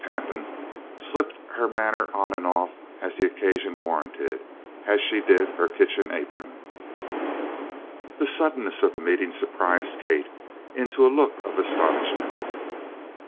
Pantin slipped her manner on and off, as the occasion warranted, as she did her kitchen apron. The suddenness of the meeting surprised Kate into a look of astonishment.